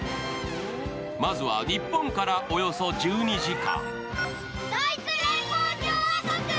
まずは日本からおよそ１２時間。